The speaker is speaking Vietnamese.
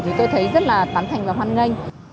thì tôi thấy rất là tán thành và hoan nghênh